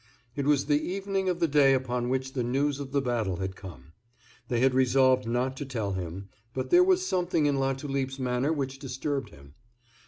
It was the evening of the day upon which the news of the battle had come. They had resolved not to tell him, but there was something in Latulipe's manner which disturbed him.